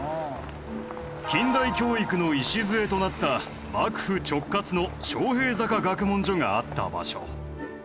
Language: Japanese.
近代教育の礎となった幕府直轄の昌平坂学問所があった場所。